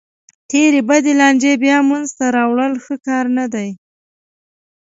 تېرې بدې لانجې بیا منځ ته راوړل ښه کار نه دی.